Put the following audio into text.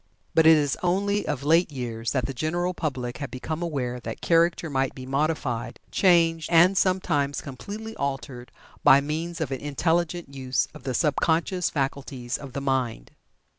But it is only of late years that the general public have become aware that Character might be modified, changed, and sometimes completely altered by means of an intelligent use of the sub conscious faculties of the mind.